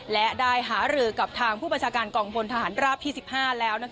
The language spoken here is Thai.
และได้หาหรือกับทางผู้ประชาการกองพลทหารราบที่สิบห้าแล้วนะคะ